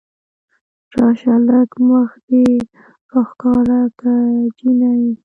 راشه لږ مخ دې راښکاره که جينۍ